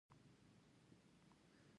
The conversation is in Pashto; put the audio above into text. د جدي ستونځو سره مخامخ